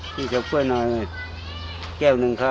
ซีเฉาโก้ยหน่อยแก้วหนึ่งครับ